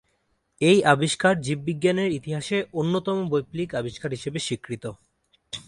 এই আবিষ্কার জীববিজ্ঞানের ইতিহাসে অন্যতম বৈপ্লবিক আবিষ্কার হিসেবে স্বীকৃত।